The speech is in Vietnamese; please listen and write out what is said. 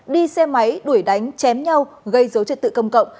đi xe máy đuổi đánh chém nhau gây dối trật tự công cộng